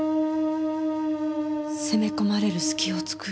攻め込まれる隙を作る。